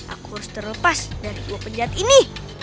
aku harus terlepas dari dua penjat ini